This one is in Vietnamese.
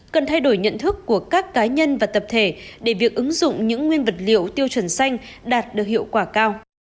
cần thay đổi nhận thức của các cá nhân và tập thể để việc ứng dụng những nguyên vật liệu tiêu chuẩn xanh đạt được hiệu quả cao